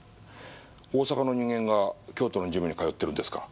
大阪の人間が京都のジムに通ってるんですか？